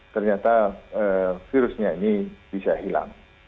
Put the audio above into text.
ternyata virusnya ini bisa hilang